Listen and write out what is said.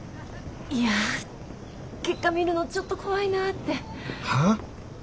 いや結果見るのちょっと怖いなって。は？